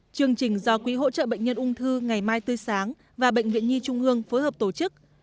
chương trình do quỹ hỗ trợ bệnh nhân ung thư ngày mai tươi sáng và bệnh viện nhi trung ương phối hợp tổ chức